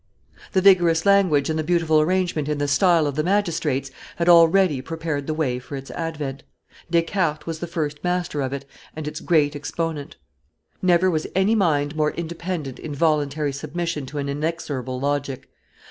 The vigorous language and the beautiful arrangement in the style of the magistrates had already prepared the way for its advent. Descartes was the first master of it and its great exponent. [Illustration: Descartes at Amsterdam 316] Never was any mind more independent in voluntary submission to an inexorable logic.